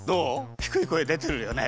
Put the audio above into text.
ひくい声でてるよね？